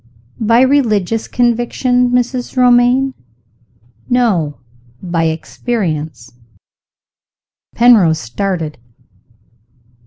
"By religious conviction, Mrs. Romayne?" "No. By experience." Penrose started.